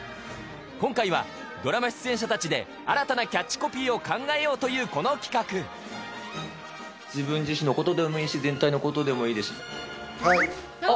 今回はドラマ出演者たちで新たなキャッチコピーを考えようというこの企画自分自身のことでもいいし全体のことでもいい。